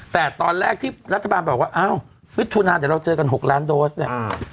แต่ตอนแรกที่รัฐบาลบอกว่าอ้าวมิถุนาเดี๋ยวเราเจอกัน๖ล้านโดสเนี่ย